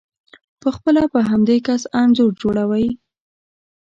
په خپله په همدې کس انځور جوړوئ،